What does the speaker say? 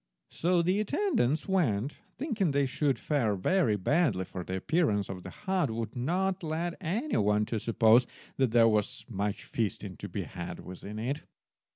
So the attendants went, thinking they should fare very badly, for the appearance of the hut would not have led any one to suppose that there was much feasting to be had within it.